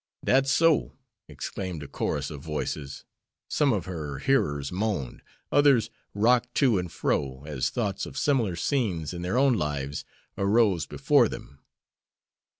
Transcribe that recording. "Dat's so!" exclaimed a chorus of voices. Some of her hearers moaned, others rocked to and fro, as thoughts of similar scenes in their own lives arose before them.